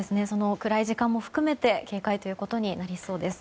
暗い時間も含めて警戒ということになりそうです。